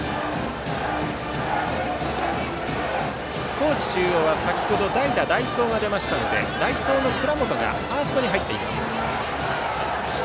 高知中央は先程代打、代走が出ましたので代走の蔵本がファーストに入っています。